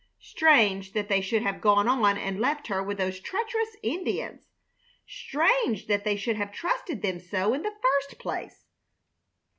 Strange that they should have gone on and left her with those treacherous Indians! Strange that they should have trusted them so, in the first place!